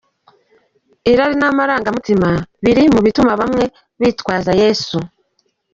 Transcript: Irari n’amarangamutima biri mu bituma bamwe bitwaza Yesu.